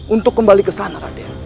untuk kembali ke sana